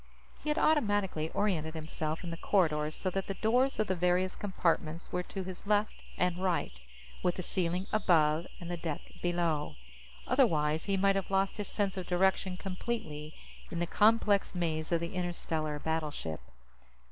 He had automatically oriented himself in the corridors so that the doors of the various compartments were to his left and right, with the ceiling "above" and the deck "below." Otherwise, he might have lost his sense of direction completely in the complex maze of the interstellar battleship.